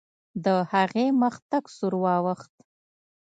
د هغې مخ تک سور واوښت.